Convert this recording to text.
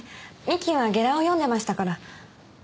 三木はゲラを読んでましたから。